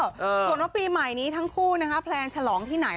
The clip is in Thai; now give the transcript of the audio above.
ส่วนว่าปีใหม่นี้ทั้งคู่นะคะแพลนฉลองที่ไหน